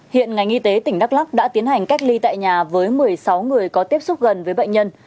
hiện ngành y tế tỉnh đắk lắc đã tiến hành cách ly tại nhà với một mươi sáu người có tiếp xúc gần với bệnh nhân